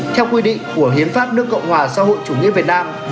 theo quy định của hiến pháp nước cộng hòa xã hội chủ nghĩa việt nam